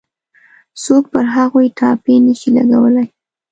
څوک پر هغوی ټاپې نه شي لګولای.